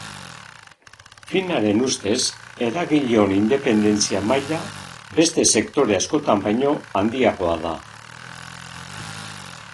Finaren ustez, eragileon independentzia maila beste sekore askotan baino handiagoa da.